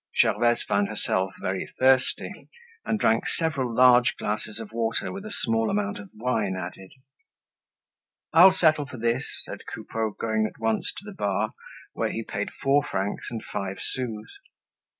Gervaise found herself very thirsty, and drank several large glasses of water with a small amount of wine added. "I'll settle for this," said Coupeau, going at once to the bar, where he paid four francs and five sous.